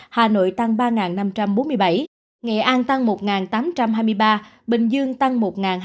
hà nội tăng ba năm trăm bốn mươi bảy nghệ an tăng một tám trăm hai mươi ba bình dương tăng một hai trăm bốn mươi chín